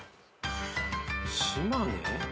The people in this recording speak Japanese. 島根？